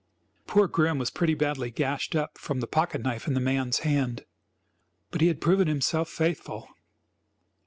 Poor Grim was pretty badly gashed up from the pocket knife in the man's hand, but he had proven himself faithful.